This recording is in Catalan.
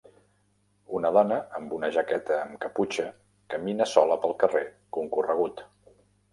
Una dona amb una jaqueta amb caputxa camina sola pel carrer concorregut.